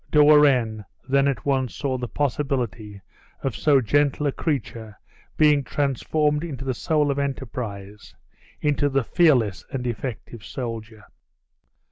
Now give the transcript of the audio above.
De Warenne then at once saw the possibility of so gentle a creature being transformed into the soul of enterprise, into the fearless and effective soldier.